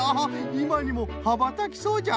いまにもはばたきそうじゃ！